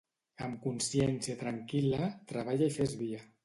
Amb consciència tranquil·la, treballa i fes via.